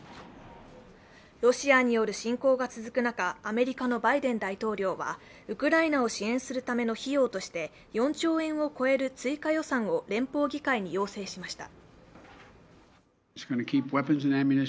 ロシアによる侵攻が続く中、アメリカのバイデン大統領はウクライナを支援するための費用として４兆円を超える追加予算を連邦議会に要請しました。